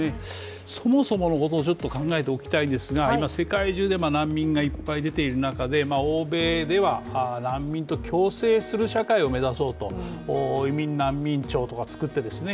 そもそものことを考えておきたいんですが今、世界中で難民がいっぱい出ている中で欧米では難民と共生する社会を目指そうと、移民難民庁とか作ってですね。